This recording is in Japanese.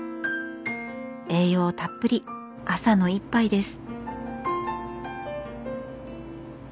栄養たっぷり朝の一杯です。